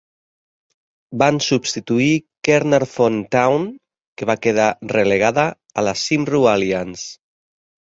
Van substituir Caernarfon Town, que va quedar relegada a la Cymru Alliance.